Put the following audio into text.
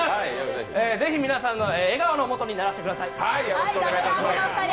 ぜひ皆さんの笑顔のもとにならせてください。